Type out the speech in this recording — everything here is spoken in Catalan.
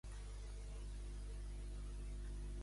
Com l'anomenen per fer-lo enutjar?